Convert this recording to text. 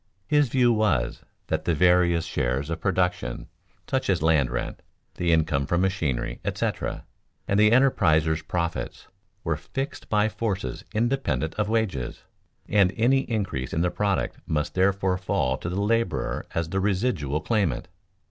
His view was that the various shares of production, such as land rent, the income from machinery, etc., and the enterpriser's profits, were fixed by forces independent of wages, and any increase in the product must therefore fall to the laborer as the residual claimant.